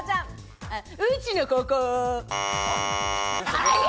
うちのここ。